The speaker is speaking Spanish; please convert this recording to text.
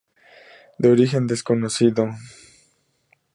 De origen desconocido.